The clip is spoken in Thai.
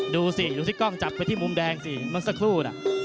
ดูสิดูสิกล้องจับไปที่มุมแดงสิเมื่อสักครู่น่ะ